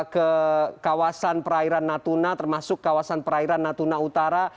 ke kawasan perairan natuna termasuk kawasan perairan natuna utara